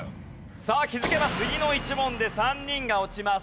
さあ気づけば次の１問で３人が落ちます。